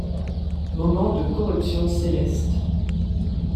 Moment de corruption céleste.